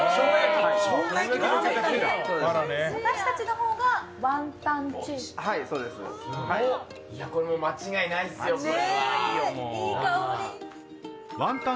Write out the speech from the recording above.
私たちのほうがワンタン、チンタン。